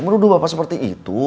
menuduh bapak seperti itu